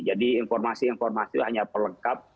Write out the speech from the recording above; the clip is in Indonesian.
jadi informasi informasi itu hanya perlekap